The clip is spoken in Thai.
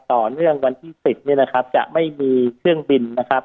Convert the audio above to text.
วันที่๑๐เนี่ยนะครับจะไม่มีเครื่องบินนะครับ